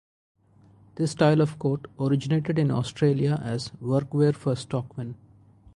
This style of coat originated in Australia as workwear for stockmen.